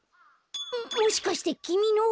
もしかしてきみの？